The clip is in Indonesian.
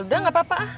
udah gak apa apa ah